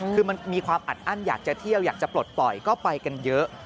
คือมันมีความอัดอั้นอยากจะเที่ยวอยากจะปลดปล่อยก็ไปกันเยอะ